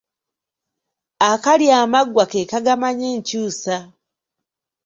Akalya amaggwa ke kagamanya enkyusa.